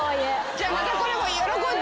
じゃあまたこれも喜んでんだ。